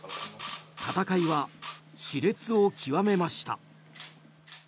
戦いは熾烈を極めました。